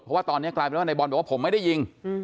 เพราะว่าตอนนี้กลายเป็นว่าในบอลบอกว่าผมไม่ได้ยิง